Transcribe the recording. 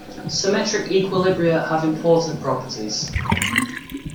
Symmetric equilibria have important properties.